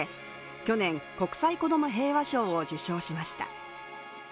去年、国際子ども平和賞を受賞しました。